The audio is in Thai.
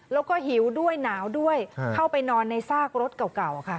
แล้วก็หิวด้วยหนาวด้วยเข้าไปนอนในซากรถเก่าค่ะ